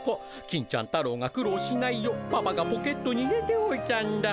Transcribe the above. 金ちゃん太郎が苦労しないようパパがポケットに入れておいたんだ。